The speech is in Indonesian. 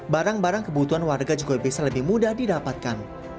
barang barang kebutuhan warga juga bisa lebih mudah didapatkan